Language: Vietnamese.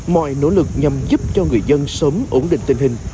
mọi nỗ lực nhằm giúp cho người dân sớm ổn định tình hình